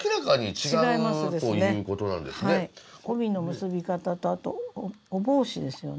帯の結び方とあとお帽子ですよね。